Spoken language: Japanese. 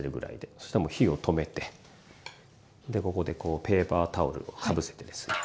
そしたらもう火を止めてでここでペーパータオルをかぶせてですね